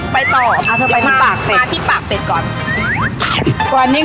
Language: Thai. ไปต่อหรือไปที่ปากเป็ดก่อนเออชิคกี้พายไปที่ปากเป็ด